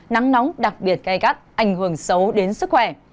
nắng nóng đặc biệt gai gắt ảnh hưởng xấu đến sức khỏe